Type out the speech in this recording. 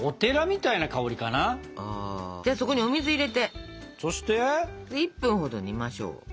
あじゃあそこにお水を入れて１分ほど煮ましょう。